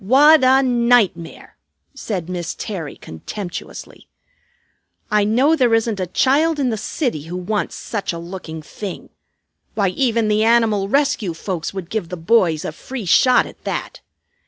"What a nightmare!" said Miss Terry contemptuously. "I know there isn't a child in the city who wants such a looking thing. Why, even the Animal Rescue folks would give the boys a 'free shot' at that.